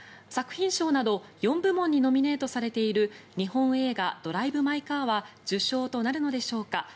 作品賞など４部門にノミネートされている日本映画「ドライブ・マイ・カー」は受賞となるのでしょうか。